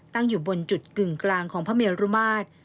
ตั้งอยู่บนจุดกึ่งกลางของพระเมรุมาตร